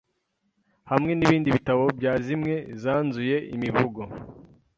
hamwe nibindi bitabo byazimwe zanzuye imivugo